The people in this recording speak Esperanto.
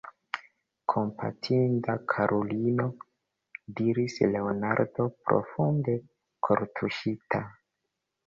Kompatinda karulino, diris Leonardo, profunde kortuŝita.